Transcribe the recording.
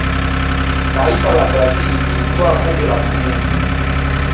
taifa la brazil lilitwaa Kombe la dunia